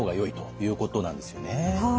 はい。